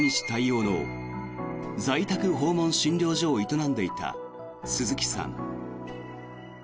対応の在宅訪問診療所を営んでいた鈴木さん。